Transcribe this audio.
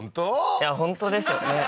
いや本当ですよねえ？